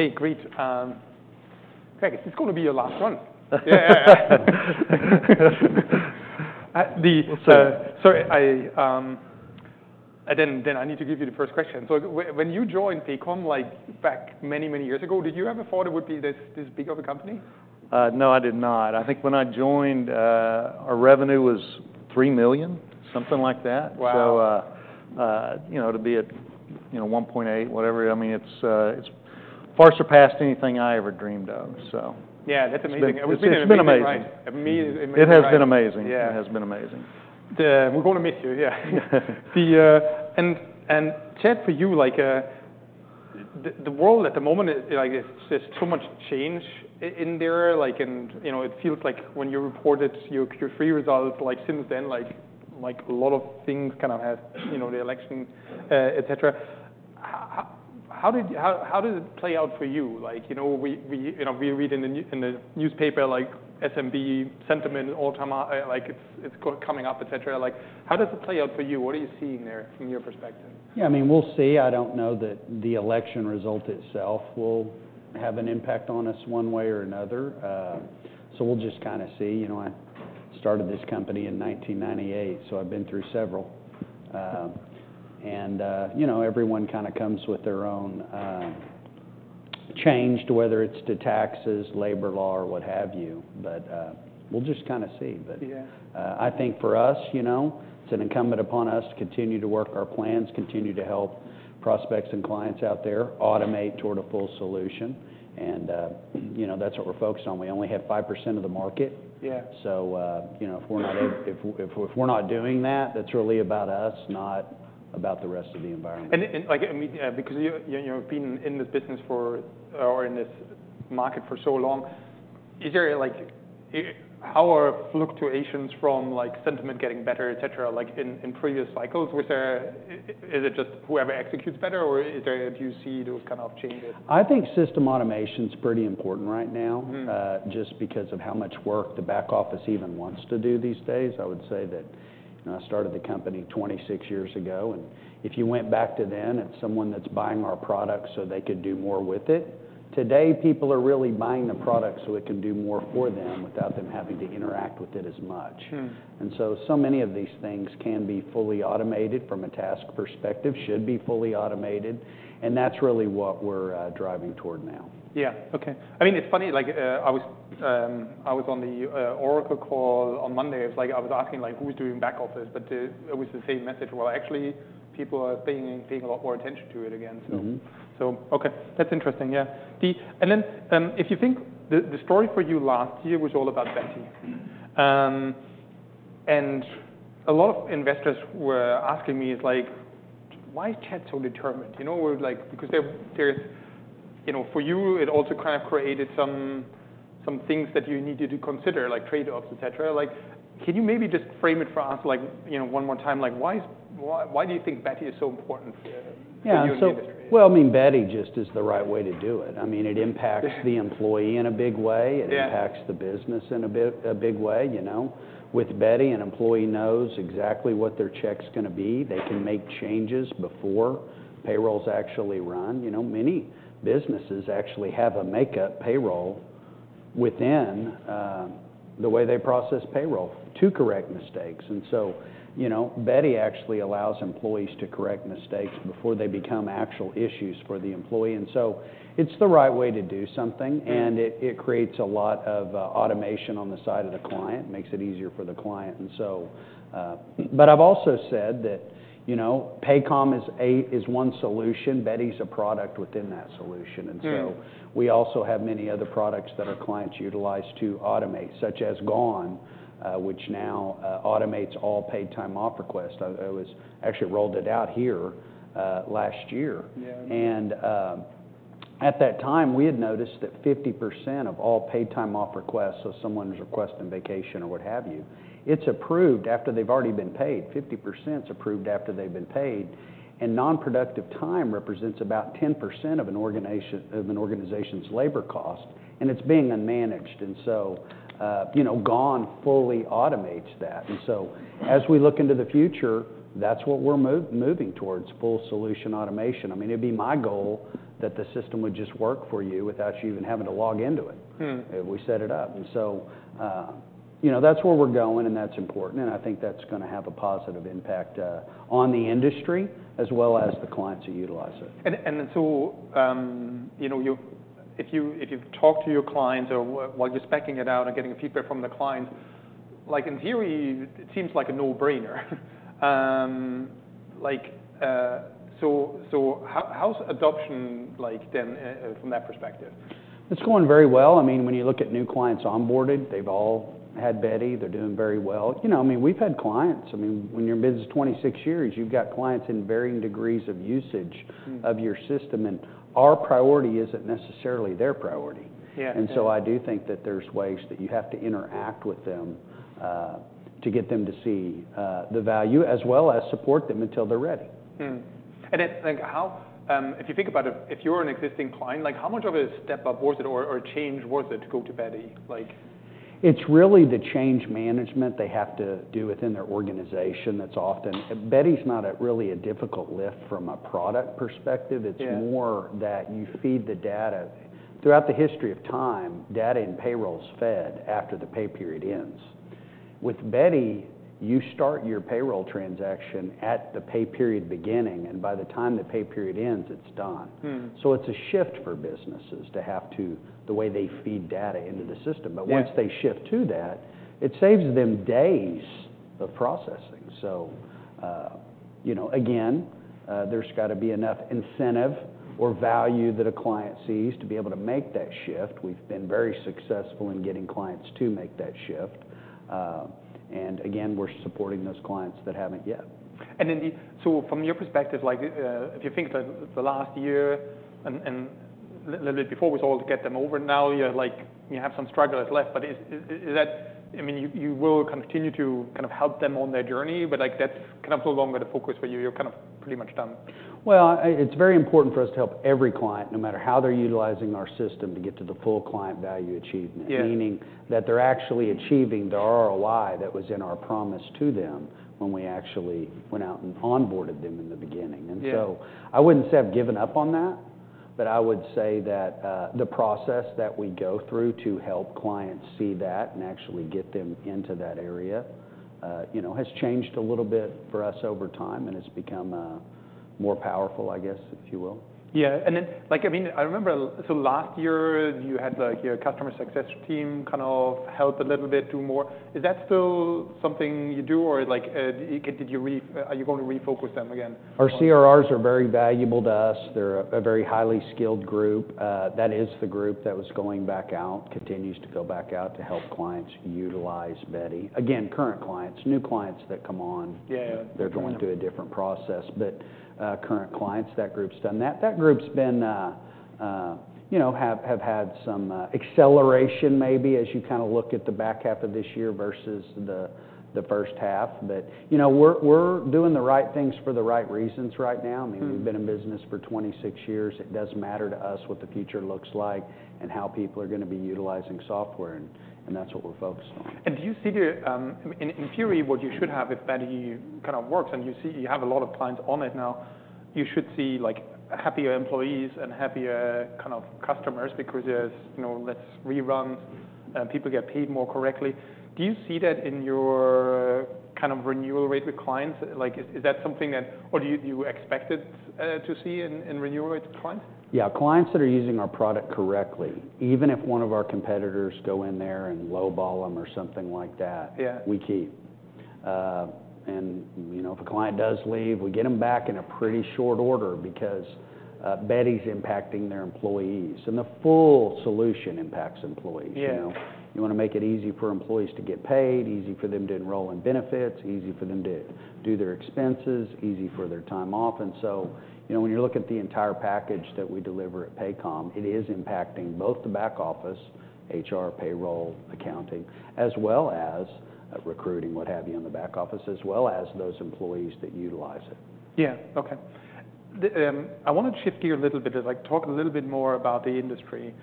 Hey, great. Craig, as, this is going to be your last one. Yeah. Sorry, I need to give you the first question. So when you joined Paycom, like, back many, many years ago, did you ever thought it would be this big of a company? No, I did not. I think when I joined, our revenue was $3 million, something like that. Wow. You know, to be at, you know, 1.8, whatever, I mean, it's far surpassed anything I ever dreamed of, so. Yeah, that's amazing. It's been amazing. It's been amazing. I mean, it. It has been amazing. Yeah. It has been amazing. We're going to miss you, yeah, and Chad, for you, like, the world at the moment, like, there's so much change in there, like, and you know, it feels like when you reported your Q3 results, like, since then, like, a lot of things kind of had, you know, the election, et cetera. How did it play out for you? Like, you know, we read in the newspaper, like, SMB sentiment all-time high, like, it's coming up, et cetera. Like, how does it play out for you? What are you seeing there from your perspective? Yeah, I mean, we'll see. I don't know that the election result itself will have an impact on us one way or another, so we'll just kind of see. You know, I started this company in 1998, so I've been through several, and, you know, everyone kind of comes with their own, change, whether it's to taxes, labor law, or what have you, but we'll just kind of see, but I think for us, you know, it's incumbent upon us to continue to work our plans, continue to help prospects and clients out there automate toward a full solution, and, you know, that's what we're focused on. We only have 5% of the market. Yeah. So, you know, if we're not able, if we're not doing that, that's really about us, not about the rest of the environment. Like, I mean, because you've been in this business for, or in this market for so long, is there, like, how are fluctuations from, like, sentiment getting better, et cetera, like, in previous cycles? Was there, is it just whoever executes better, or is there? Do you see those kind of changes? I think system automation's pretty important right now. Just because of how much work the back office even wants to do these days. I would say that, you know, I started the company 26 years ago, and if you went back to then at someone that's buying our product so they could do more with it, today people are really buying the product so it can do more for them without them having to interact with it as much. And so many of these things can be fully automated from a task perspective. Should be fully automated. And that's really what we're driving toward now. Yeah. Okay. I mean, it's funny, like, I was on the Oracle call on Monday. It was like I was asking, like, who's doing back office, but it was the same message. Well, actually, people are paying a lot more attention to it again, so. So, okay. That's interesting. Yeah. And then, if you think the story for you last year was all about Beti. And a lot of investors were asking me, it's like, why is Chad so determined? You know, like, because there's, you know, for you, it also kind of created some things that you needed to consider, like trade-offs, et cetera. Like, can you maybe just frame it for us, like, you know, one more time? Like, why, why do you think Beti is so important for your industry? Yeah. So, well, I mean, Beti just is the right way to do it. I mean, it impacts the employee in a big way. Yeah. It impacts the business in a big, a big way, you know? With Beti, an employee knows exactly what their check's going to be. They can make changes before payrolls actually run. You know, many businesses actually have a makeup payroll within, the way they process payroll to correct mistakes. And so, you know, Beti actually allows employees to correct mistakes before they become actual issues for the employee. And so it's the right way to do something. It creates a lot of automation on the side of the client, makes it easier for the client. But I've also said that, you know, Paycom is one solution. Beti's a product within that solution. We also have many other products that our clients utilize to automate, such as GONE, which now automates all paid time off requests. I actually rolled it out here last year. Yeah. At that time, we had noticed that 50% of all paid time off requests, so someone's requesting vacation or what have you, it's approved after they've already been paid. 50%'s approved after they've been paid. Nonproductive time represents about 10% of an organization, of an organization's labor cost, and it's being unmanaged. You know, GONE fully automates that. As we look into the future, that's what we're moving towards: full solution automation. I mean, it'd be my goal that the system would just work for you without you even having to log into it. If we set it up. You know, that's where we're going, and that's important. I think that's going to have a positive impact on the industry as well as the clients who utilize it. You know, if you talk to your clients or while you're speccing it out and getting feedback from the clients, like, in theory, it seems like a no-brainer. Like, so how's adoption, like, then, from that perspective? It's going very well. I mean, when you look at new clients onboarded, they've all had Beti. They're doing very well. You know, I mean, we've had clients. I mean, when you're in business 26 years, you've got clients in varying degrees of usage. Of your system and our priority isn't necessarily their priority. Yeah. And so I do think that there's ways that you have to interact with them to get them to see the value as well as support them until they're ready. It's like, how, if you think about it, if you're an existing client, like, how much of it is step-up worth it or, or change worth it to go to Beti? Like. It's really the change management they have to do within their organization. That's often, Beti's not really a difficult lift from a product perspective. Yeah. It's more that you feed the data. Throughout the history of time, data and payroll's fed after the pay period ends. With Beti, you start your payroll transaction at the pay period beginning, and by the time the pay period ends, it's done. So it's a shift for businesses to have to, the way they feed data into the system. Yeah. But once they shift to that, it saves them days of processing. So, you know, again, there's got to be enough incentive or value that a client sees to be able to make that shift. We've been very successful in getting clients to make that shift. And again, we're supporting those clients that haven't yet. And then, so from your perspective, like, if you think the last year and a little bit before we sold get them over, now you're like, you have some struggles left, but is that, I mean, you will continue to kind of help them on their journey, but like, that's kind of no longer the focus where you're kind of pretty much done. It's very important for us to help every client, no matter how they're utilizing our system, to get to the full client value achievement. Yeah. Meaning that they're actually achieving the ROI that was in our promise to them when we actually went out and onboarded them in the beginning. Yeah. And so I wouldn't say I've given up on that, but I would say that the process that we go through to help clients see that and actually get them into that area, you know, has changed a little bit for us over time, and it's become more powerful, I guess, if you will. Yeah, and then, like, I mean, I remember, so last year you had, like, your customer success team kind of helped a little bit do more. Is that still something you do, or like, did you ref, are you going to refocus them again? Our CRRs are very valuable to us. They're a very highly skilled group. That is the group that was going back out, continues to go back out to help clients utilize Beti. Again, current clients, new clients that come on. Yeah. They're going through a different process. But current clients, that group's done that. That group's been, you know, have had some acceleration maybe as you kind of look at the back half of this year versus the first half. But, you know, we're doing the right things for the right reasons right now. I mean, we've been in business for 26 years. It does matter to us what the future looks like and how people are going to be utilizing software. That's what we're focused on. Do you see the, in theory, what you should have if Beti kind of works, and you see you have a lot of clients on it now, you should see, like, happier employees and happier kind of customers because there's, you know, less reruns, and people get paid more correctly. Do you see that in your kind of renewal rate with clients? Like, is that something that, or do you expect it to see in renewal rate with clients? Yeah. Clients that are using our product correctly, even if one of our competitors go in there and lowball them or something like that. Yeah. And, you know, if a client does leave, we get them back in a pretty short order because Beti's impacting their employees. And the full solution impacts employees, you know? Yeah. You want to make it easy for employees to get paid, easy for them to enroll in benefits, easy for them to do their expenses, easy for their time off, and so, you know, when you're looking at the entire package that we deliver at Paycom, it is impacting both the back office, HR, payroll, accounting, as well as recruiting, what have you, on the back office, as well as those employees that utilize it. Yeah. Okay. I want to shift gears a little bit and, like, talk a little bit more about the industry.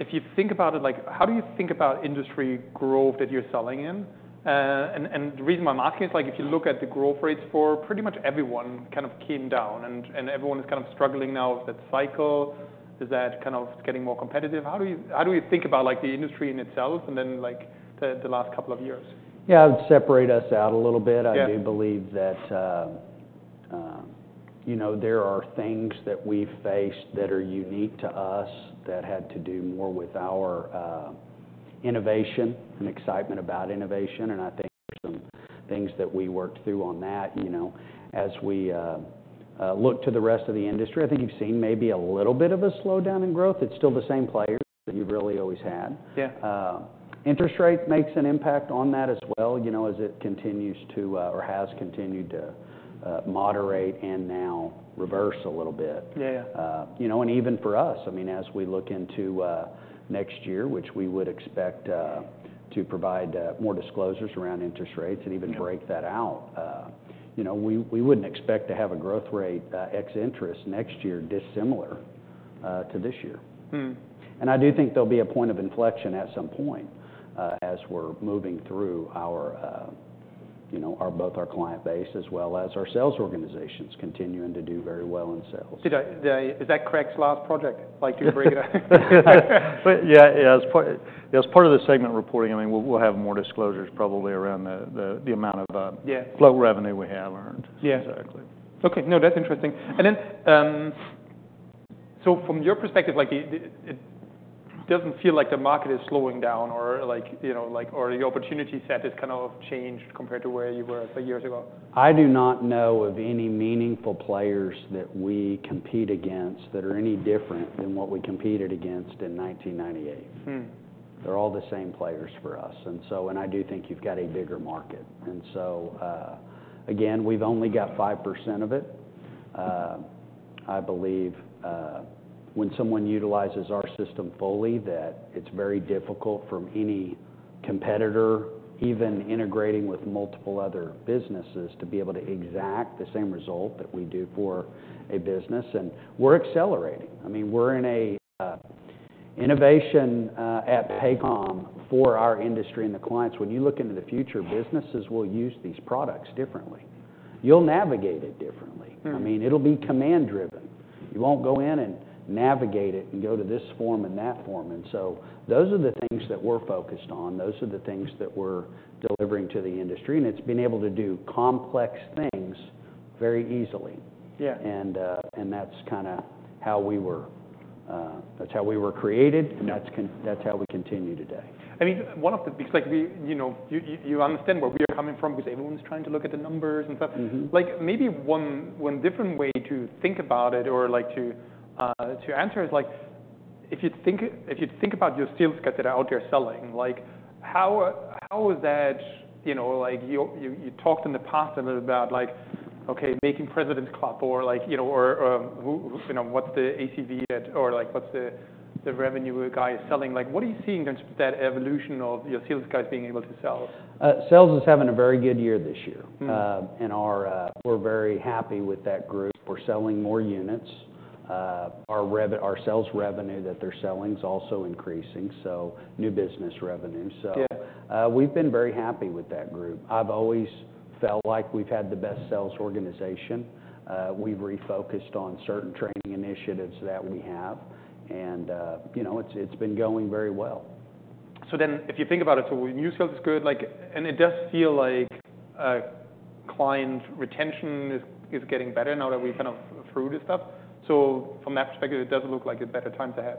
If you think about it, like, how do you think about industry growth that you're selling in? And, and the reason why I'm asking is, like, if you look at the growth rates for pretty much everyone kind of came down, and, and everyone is kind of struggling now with that cycle. Is that kind of getting more competitive? How do you, how do you think about, like, the industry in itself and then, like, the, the last couple of years? Yeah. I would separate us out a little bit. Yeah. I do believe that, you know, there are things that we've faced that are unique to us that had to do more with our, innovation and excitement about innovation, and I think there's some things that we worked through on that, you know, as we, look to the rest of the industry. I think you've seen maybe a little bit of a slowdown in growth. It's still the same players that you've really always had. Yeah. Interest rate makes an impact on that as well, you know, as it continues to, or has continued to, moderate and now reverse a little bit. Yeah. Yeah. You know, and even for us, I mean, as we look into next year, which we would expect to provide more disclosures around interest rates and even break that out, you know, we wouldn't expect to have a growth rate, ex-interest, next year dissimilar to this year. And I do think there'll be a point of inflection at some point, as we're moving through our, you know, our both our client base as well as our sales organizations continuing to do very well in sales. Did I? Is that Craig's last project? Like, did you bring it up? But yeah, as part of the segment reporting, I mean, we'll have more disclosures probably around the amount of, Yeah. float revenue we have earned. Yeah. Exactly. Okay. No, that's interesting. And then, so from your perspective, like, it doesn't feel like the market is slowing down or like, you know, like, or the opportunity set has kind of changed compared to where you were a few years ago? I do not know of any meaningful players that we compete against that are any different than what we competed against in 1998. They're all the same players for us, and so, and I do think you've got a bigger market, and so, again, we've only got 5% of it. I believe, when someone utilizes our system fully, that it's very difficult from any competitor, even integrating with multiple other businesses, to be able to exact the same result that we do for a business, and we're accelerating. I mean, we're in a innovation at Paycom for our industry and the clients. When you look into the future, businesses will use these products differently. You'll navigate it differently. I mean, it'll be command-driven. You won't go in and navigate it and go to this form and that form. And so those are the things that we're focused on. Those are the things that we're delivering to the industry. And it's been able to do complex things very easily. Yeah. That's kind of how we were created. Yeah. That's how we continue today. I mean, like, we, you know, you understand where we are coming from because everyone's trying to look at the numbers and stuff. Like, maybe one different way to think about it or, like, to answer is, like, if you think about your sales guys that are out there selling, like, how is that, you know, like, you talked in the past a little bit about, like, okay, making President's Club or, like, you know, or, who, you know, what's the ACV that, or, like, what's the revenue guy is selling? Like, what are you seeing in terms of that evolution of your sales guys being able to sell? Sales is having a very good year this year. And our, we're very happy with that group. We're selling more units. Our revenue, our sales revenue that they're selling is also increasing, so new business revenue. Yeah. We've been very happy with that group. I've always felt like we've had the best sales organization. We've refocused on certain training initiatives that we have. You know, it's been going very well. So then if you think about it, so new sales is good, like, and it does feel like client retention is getting better now that we've kind of through this stuff. So from that perspective, it doesn't look like there's better times ahead.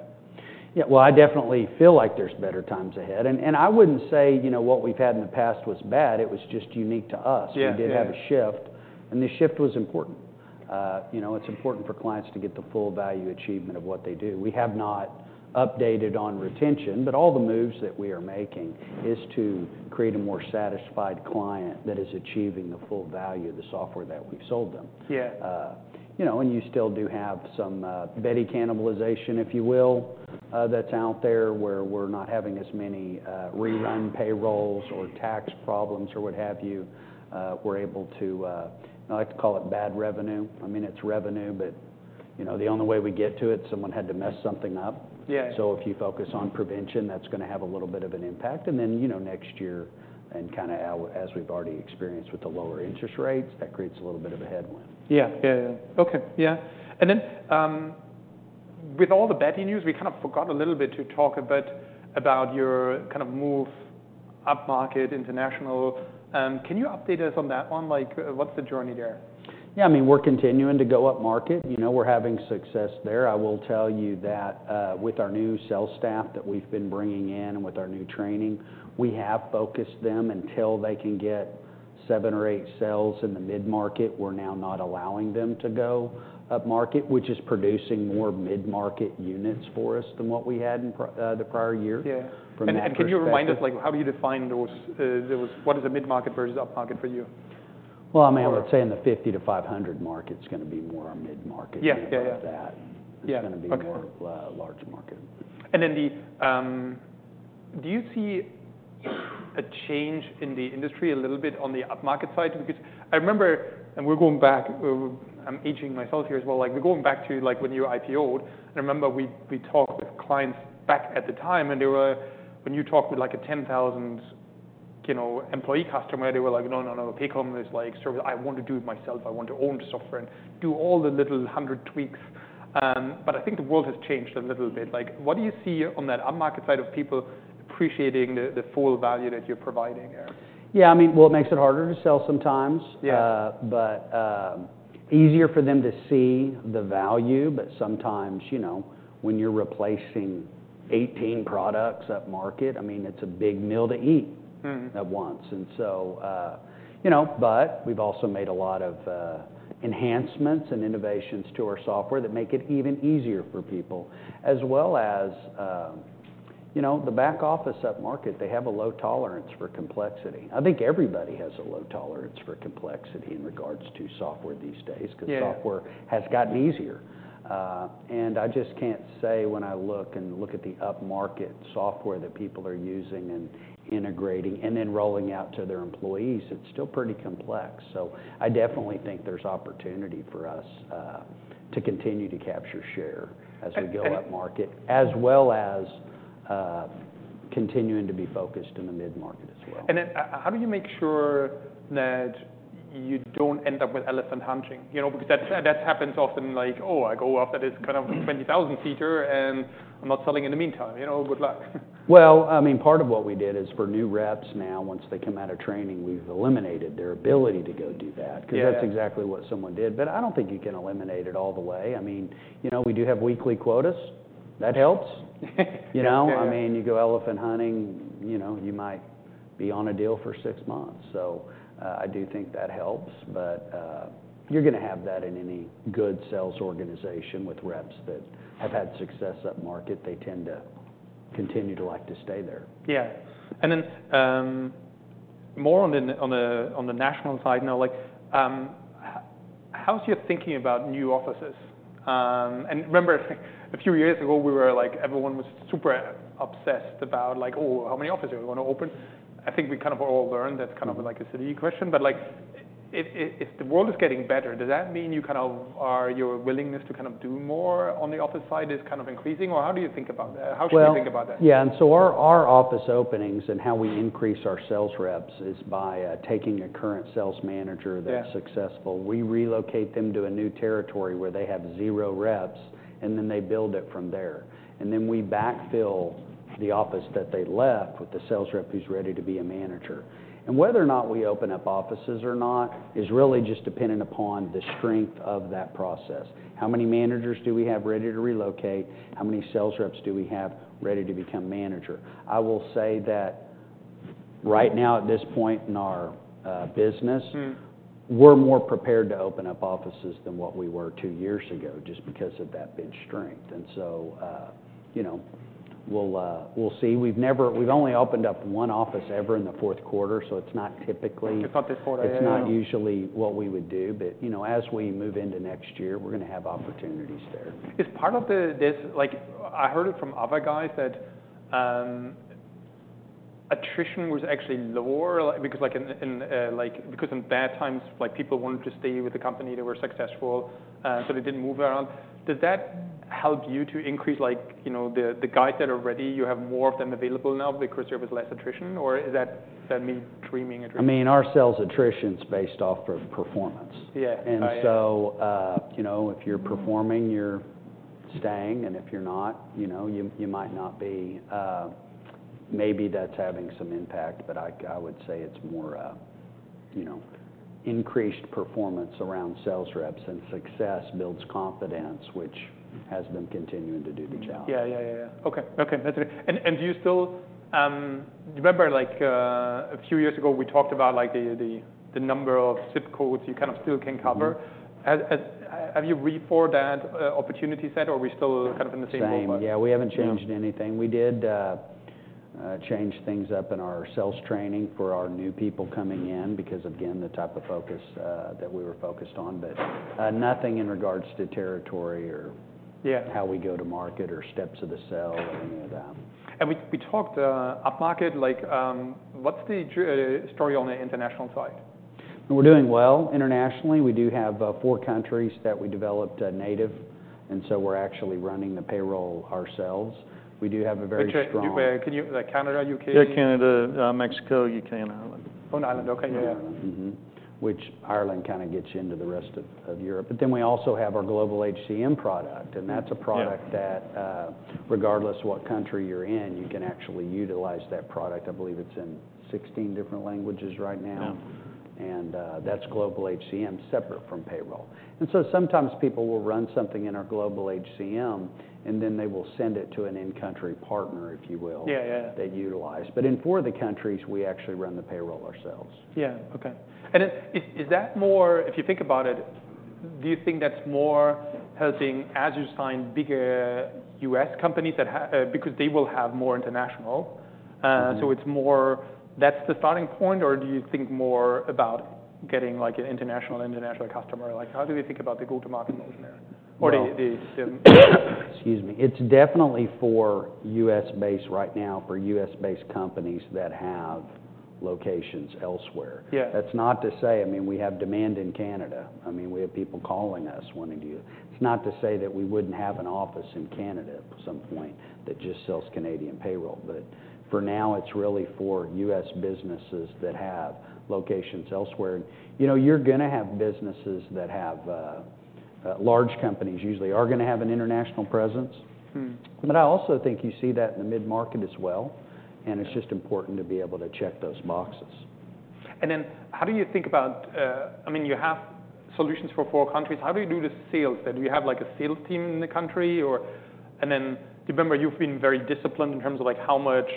Yeah. Well, I definitely feel like there's better times ahead, and I wouldn't say, you know, what we've had in the past was bad. It was just unique to us. Yeah. We did have a shift, and the shift was important. You know, it's important for clients to get the full value achievement of what they do. We have not updated on retention, but all the moves that we are making is to create a more satisfied client that is achieving the full value of the software that we've sold them. Yeah. You know, and you still do have some Beti cannibalization, if you will, that's out there where we're not having as many rerun payrolls or tax problems or what have you. We're able to. I like to call it bad revenue. I mean, it's revenue, but, you know, the only way we get to it, someone had to mess something up. Yeah. So if you focus on prevention, that's going to have a little bit of an impact. And then, you know, next year and kind of as we've already experienced with the lower interest rates, that creates a little bit of a headwind. And then, with all the Beti news, we kind of forgot a little bit to talk a bit about your kind of move upmarket international. Can you update us on that one? Like, what's the journey there? Yeah. I mean, we're continuing to go upmarket. You know, we're having success there. I will tell you that, with our new sales staff that we've been bringing in and with our new training, we have focused them until they can get seven or eight sales in the mid-market. We're now not allowing them to go upmarket, which is producing more mid-market units for us than what we had in the prior year. Yeah. From the mid-market. Can you remind us, like, how do you define those? What is a mid-market versus upmarket for you? I mean, I would say in the 50-500 market, it's going to be more our mid-market. Yeah. Yeah. Yeah. Around that. Yeah. It's going to be more upmarket. And then, do you see a change in the industry a little bit on the upmarket side? Because I remember, and we're going back, I'm aging myself here as well, like, we're going back to, like, when you IPOed. And I remember we talked with clients back at the time, and they were, when you talked with, like, a 10,000, you know, employee customer, they were like, "No, no, no. Paycom is, like, service. I want to do it myself. I want to own the software and do all the little hundred tweaks." But I think the world has changed a little bit. Like, what do you see on that upmarket side of people appreciating the, the full value that you're providing there? Yeah. I mean, well, it makes it harder to sell sometimes. Yeah. But easier for them to see the value. But sometimes, you know, when you're replacing 18 products upmarket, I mean, it's a big meal to eat. At once and so, you know, but we've also made a lot of enhancements and innovations to our software that make it even easier for people as well as, you know, the back office upmarket. They have a low tolerance for complexity. I think everybody has a low tolerance for complexity in regards to software these days because software has gotten easier and I just can't say when I look and look at the upmarket software that people are using and integrating and then rolling out to their employees. It's still pretty complex. I definitely think there's opportunity for us to continue to capture share as we go upmarket as well as continuing to be focused in the mid-market as well. And then, how do you make sure that you don't end up with elephant hunting, you know, because that happens often, like, "Oh, I go after this kind of 20,000 seater and I'm not selling in the meantime." You know, good luck. Well, I mean, part of what we did is for new reps now, once they come out of training, we've eliminated their ability to go do that because that's exactly what someone did. But I don't think you can eliminate it all the way. I mean, you know, we do have weekly quotas. That helps. You know, I mean, you go elephant hunting, you know, you might be on a deal for six months. So, I do think that helps. But, you're going to have that in any good sales organization with reps that have had success upmarket. They tend to continue to like to stay there. Yeah. And then, more on the national side now, like, how's your thinking about new offices? Remember a few years ago, we were like, everyone was super obsessed about, like, "Oh, how many offices are we going to open?" I think we kind of all learned that's kind of like a silly question. But, like, if the world is getting better, does that mean your willingness to kind of do more on the office side is kind of increasing? Or how do you think about that? How should you think about that? Yeah. And so our office openings and how we increase our sales reps is by taking a current sales manager that's successful. We relocate them to a new territory where they have zero reps, and then they build it from there. And then we backfill the office that they left with the sales rep who's ready to be a manager. And whether or not we open up offices or not is really just dependent upon the strength of that process. How many managers do we have ready to relocate? How many sales reps do we have ready to become manager? I will say that right now, at this point in our business, we're more prepared to open up offices than what we were two years ago just because of that big strength. And so, you know, we'll see. We've only opened up one office ever in the fourth quarter, so it's not typically. The top four. It's not usually what we would do. But, you know, as we move into next year, we're going to have opportunities there. Is part of this, like, I heard it from other guys that attrition was actually lower, like, because like in bad times, like, people wanted to stay with the company that were successful, so they didn't move around. Does that help you to increase, like, you know, the guys that are ready, you have more of them available now because there was less attrition? Or is that me dreaming a dream? I mean, our sales attrition's based off of performance. Yeah. And so, you know, if you're performing, you're staying. And if you're not, you know, you might not be. Maybe that's having some impact, but I would say it's more, you know, increased performance around sales reps and success builds confidence, which has been continuing to do the job. Yeah. Okay. That's it, and do you still remember, like, a few years ago, we talked about, like, the number ZIP codes you kind of still can cover? Have you reforged that opportunity set or are we still kind of in the same boat? Same. Yeah. We haven't changed anything. We did change things up in our sales training for our new people coming in because again, the type of focus that we were focused on. But nothing in regards to territory or. Yeah. How we go to market, or steps of the sale, or any of that. We talked upmarket, like, what's the story on the international side? We're doing well internationally. We do have four countries that we developed native. And so we're actually running the payroll ourselves. We do have a very strong. Can you, Canada? U.K.? Yeah. Canada, Mexico, U.K., and Ireland. Oh, in Ireland. Okay. Yeah. Yeah. Mm-hmm, which Ireland kind of gets into the rest of Europe, but then we also have our Global HCM product, and that's a product that, regardless of what country you're in, you can actually utilize that product. I believe it's in 16 different languages right now. Yeah. That's Global HCM separate from payroll. So sometimes people will run something in our Global HCM, and then they will send it to an in-country partner, if you will. Yeah. Yeah. That utilize but in four of the countries, we actually run the payroll ourselves. Yeah. Okay. And is that more, if you think about it, do you think that's more helping as you sign bigger U.S. companies that have because they will have more international? So that's the starting point, or do you think more about getting, like, an international customer? Like, how do you think about the go-to-market motion there? Or the. Excuse me. It's definitely for U.S.-based right now for U.S.-based companies that have locations elsewhere. Yeah. That's not to say, I mean, we have demand in Canada. I mean, we have people calling us wanting to. It's not to say that we wouldn't have an office in Canada at some point that just sells Canadian payroll. But for now, it's really for U.S. businesses that have locations elsewhere. And, you know, you're going to have businesses that have, large companies usually are going to have an international presence. But I also think you see that in the mid-market as well. And it's just important to be able to check those boxes. And then, how do you think about? I mean, you have solutions for four countries. How do you do the sales there? Do you have, like, a sales team in the country or? And then, do you remember you've been very disciplined in terms of, like, how much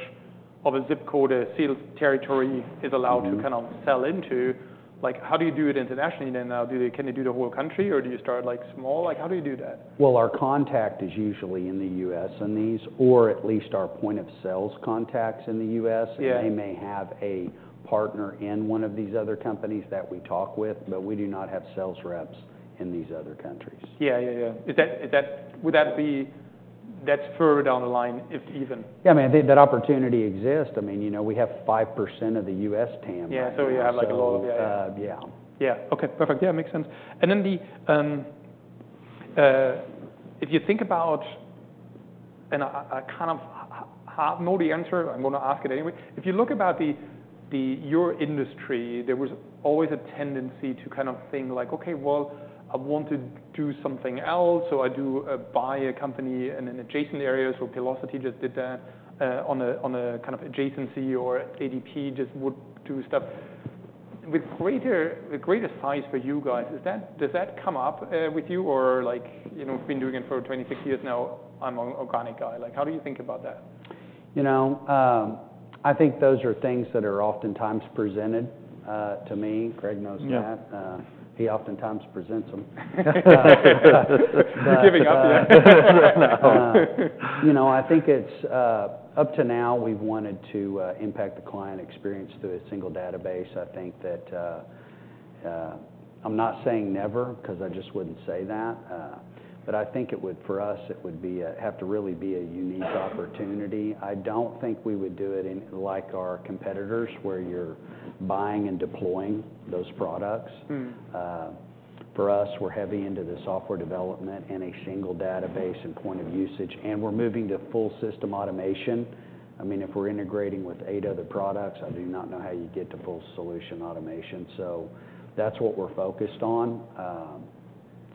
of a ZIP code a sales territory is allowed to kind of sell into? Like, how do you do it internationally then? Now, do you? Can you do the whole country or do you start, like, small? Like, how do you do that? Our contact is usually in the U.S. in these, or at least our point of sales contacts in the U.S. Yeah. They may have a partner in one of these other companies that we talk with, but we do not have sales reps in these other countries. Yeah. Is that, would that be, that's further down the line if even? Yeah. I mean, that opportunity exists. I mean, you know, we have 5% of the U.S. TAM right now. Yeah, so you have, like, a little. yeah. Yeah. Okay. Perfect. Yeah. Makes sense. And then, if you think about, and I kind of have no answer. I'm going to ask it anyway. If you look about the your industry, there was always a tendency to kind of think like, "Okay, well, I want to do something else." So I do buy a company in an adjacent area. So Paylocity just did that, on a kind of adjacency or ADP just would do stuff. With greater size for you guys, is that does that come up with you or, like, you know, we've been doing it for 26 years now. I'm an organic guy. Like, how do you think about that? You know, I think those are things that are oftentimes presented, to me. Craig knows that. Yeah. He oftentimes presents them. You're giving up. Yeah. You know, I think it's, up to now, we've wanted to impact the client experience through a single database. I think that, I'm not saying never because I just wouldn't say that. But I think it would, for us, it would be, have to really be a unique opportunity. I don't think we would do it in like our competitors where you're buying and deploying those products. For us, we're heavy into the software development and a single database and point of usage. And we're moving to full system automation. I mean, if we're integrating with eight other products, I do not know how you get to full solution automation. So that's what we're focused on.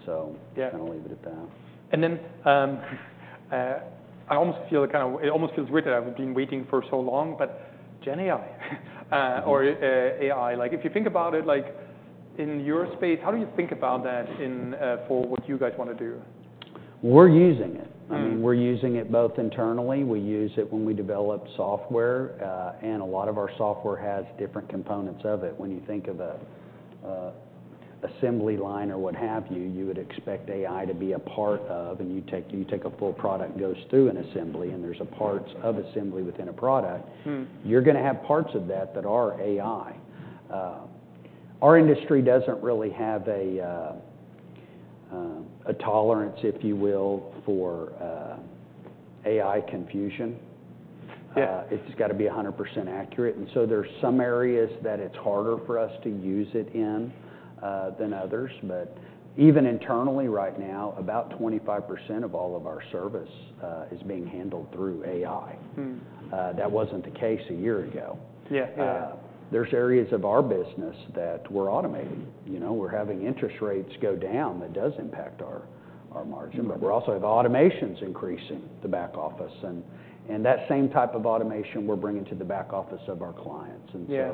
So kind of leave it at that. Yeah. And then I almost feel kind of, it almost feels weird that I've been waiting for so long, but Gen AI, or AI. Like, if you think about it, like in your space, how do you think about that in for what you guys want to do? We're using it. I mean, we're using it both internally. We use it when we develop software, and a lot of our software has different components of it. When you think of a assembly line or what have you, you would expect AI to be a part of, and you take a full product goes through an assembly, and there's a parts of assembly within a product. You're going to have parts of that that are AI. Our industry doesn't really have a tolerance, if you will, for AI confusion. Yeah. It's got to be 100% accurate. And so there's some areas that it's harder for us to use it in, than others. But even internally right now, about 25% of all of our service, is being handled through AI. That wasn't the case a year ago. Yeah. Yeah. There's areas of our business that we're automating. You know, we're having interest rates go down. That does impact our margin. But we're also having automations in the back office. And that same type of automation we're bringing to the back office of our clients. And so. Yeah.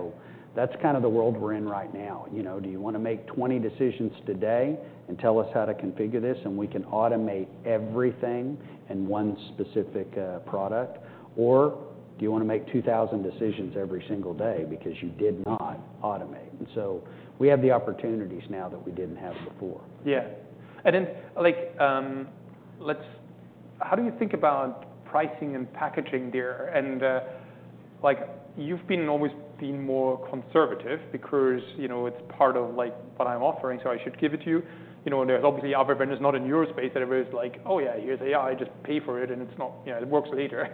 That's kind of the world we're in right now. You know, do you want to make 20 decisions today and tell us how to configure this and we can automate everything in one specific product? Or do you want to make 2,000 decisions every single day because you did not automate, and so we have the opportunities now that we didn't have before. Yeah. And then, like, let's—how do you think about pricing and packaging there? And, like, you've always been more conservative because, you know, it's part of, like, what I'm offering, so I should give it to you. You know, there's obviously other vendors not in your space that are very like, "Oh yeah, here's AI. Just pay for it and it's not, you know, it works later."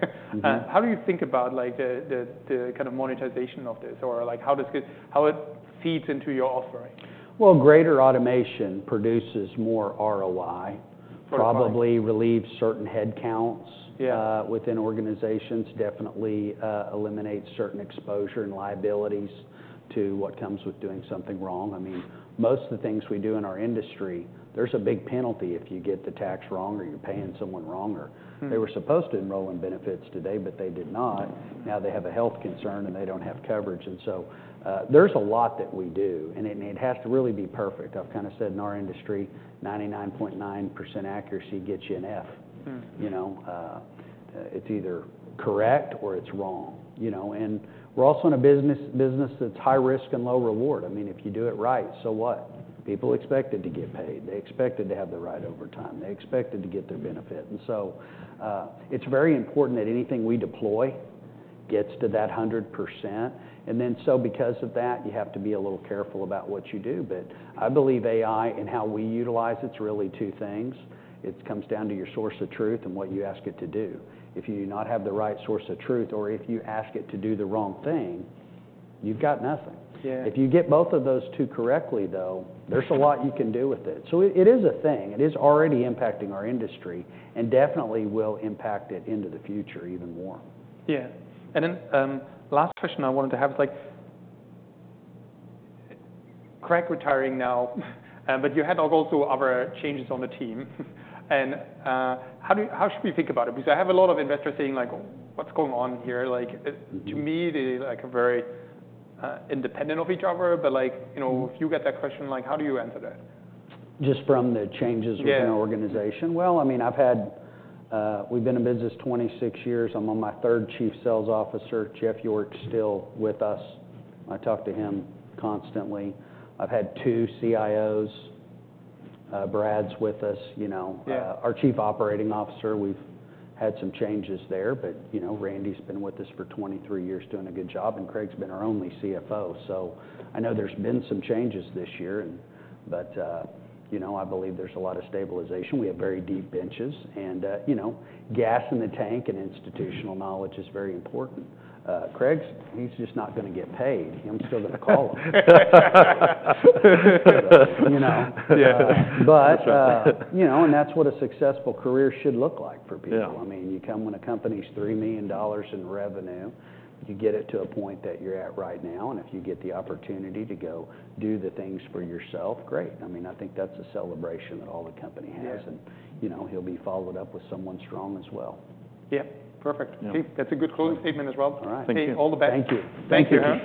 How do you think about, like, the kind of monetization of this? Or, like, how does it feed into your offering? Greater automation produces more ROI. For sure. Probably relieves certain headcount. Yeah. Within organizations, definitely, eliminates certain exposure and liabilities to what comes with doing something wrong. I mean, most of the things we do in our industry, there's a big penalty if you get the tax wrong or you're paying someone wrong. Or they were supposed to enroll in benefits today, but they did not. Now they have a health concern and they don't have coverage. And so, there's a lot that we do. And it has to really be perfect. I've kind of said in our industry, 99.9% accuracy gets you an F. You know, it's either correct or it's wrong. You know, and we're also in a business that's high risk and low reward. I mean, if you do it right, so what? People expect it to get paid. They expect it to have the right overtime. They expect it to get their benefit. And so, it's very important that anything we deploy gets to that 100%. And then so because of that, you have to be a little careful about what you do. But I believe AI and how we utilize it's really two things. It comes down to your source of truth and what you ask it to do. If you do not have the right source of truth or if you ask it to do the wrong thing, you've got nothing. Yeah. If you get both of those two correctly, though, there's a lot you can do with it. So it is a thing. It is already impacting our industry and definitely will impact it into the future even more. and then the last question I wanted to have is, like, Craig retiring now, but you had also other changes on the team, and how do you, how should we think about it? Because I have a lot of investors saying, like, "What's going on here?" Like, to me, they're like very independent of each other, but like, you know, if you get that question, like, how do you answer that? Just from the changes within our organization? Yeah. I mean, I've had, we've been in business 26 years. I'm on my third Chief Sales Officer, Jeff York, still with us. I talk to him constantly. I've had two CIOs, Brad's with us, you know. Yeah. Our Chief Operating Officer, we've had some changes there. But, you know, Randy's been with us for 23 years doing a good job. And Craig's been our only CFO. So I know there's been some changes this year. But, you know, I believe there's a lot of stabilization. We have very deep benches. And, you know, gas in the tank and institutional knowledge is very important. Craig's, he's just not going to get paid. I'm still going to call him. You know. Yeah. But, you know, and that's what a successful career should look like for people. Yeah. I mean, you come when a company's $3 million in revenue, you get it to a point that you're at right now, and if you get the opportunity to go do the things for yourself, great. I mean, I think that's a celebration that all the company has. Yeah. And, you know, he'll be followed up with someone strong as well. Yeah. Perfect. Yeah. Okay. That's a good closing statement as well. All right. Thank you. All the best. Thank you. Thank you.